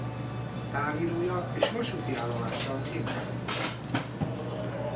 Távírója és vasúti állomása Rimaszombat.